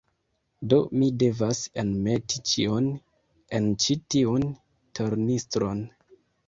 Do, mi devas enmeti ĉion en ĉi tiun tornistron.